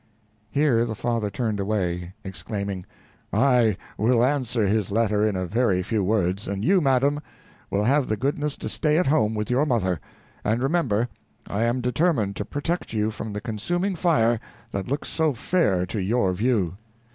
Here the father turned away, exclaiming: "I will answer his letter in a very few words, and you, madam, will have the goodness to stay at home with your mother; and remember, I am determined to protect you from the consuming fire that looks so fair to your view."